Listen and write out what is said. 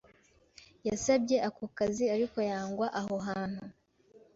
Yasabye ako kazi ariko yangwa aho hantu.